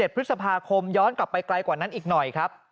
๑พฤษภาคมย้อนกลับไปไกลกว่านั้นอีกหน่อยครับ